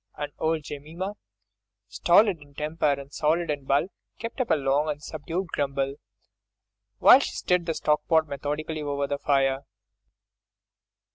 And old Jemima, stolid in temper and solid in bulk, kept up a long and subdued grumble, while she stirred the stock pot methodically over the fire.